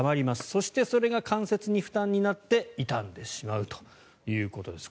そしてそれが関節に負担になって痛んでしまうということです。